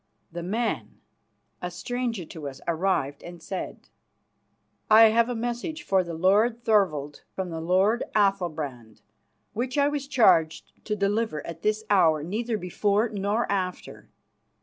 The man, a stranger to us, arrived and said: "I have a message for the lord Thorvald from the lord Athalbrand, which I was charged to deliver at this hour, neither before nor after.